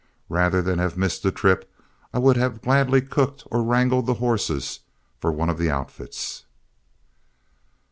Rather than have missed the trip, I would have gladly cooked or wrangled the horses for one of the outfits.